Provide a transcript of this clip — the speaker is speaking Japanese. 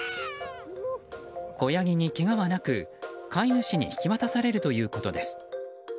子ヤギにけがはなく、飼い主に引き渡されるということです。